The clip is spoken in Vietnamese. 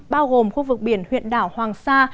bao gồm khu vực biển huyện đảo hoàng sa